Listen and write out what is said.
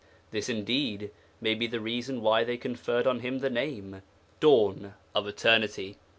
This, indeed, may be the reason why they conferred on him the name, 'Dawn of Eternity.'